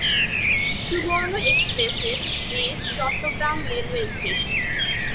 সুবর্ণ এক্সপ্রেসের base Chattogram railway station.